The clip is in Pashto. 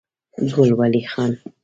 ګل ولي خان